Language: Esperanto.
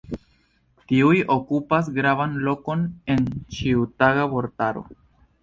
Tiuj okupas gravan lokon en ĉiutaga vortaro.